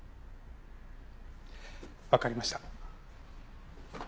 わかりました。